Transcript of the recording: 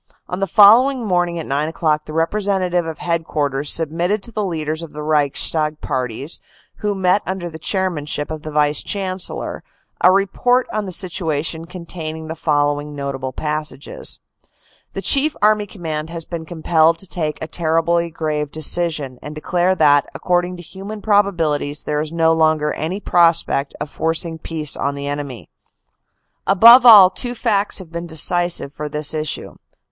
On the following morning at nine o clock, the representative of Head quarters submitted to the leaders of the Reichstag parties, who met under the chairmanship of the Vice Chancellor, a report on the situation containing the following notable passages : The Chief Army Command has been compelled to take a terribly grave decision, and declare that, according to human probabilities, there is no longer any prospect of forcing peace on the enemy. " Above all, two facts have been decisive for this issue.